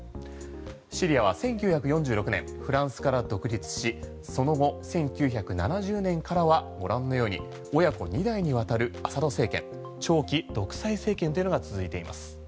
シリアは１９４６年フランスから独立しその後、１９７０年からはご覧のように親子２代にわたるアサド政権長期独裁政権というのが続いています。